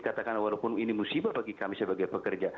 katakan walaupun ini musibah bagi kami sebagai pekerja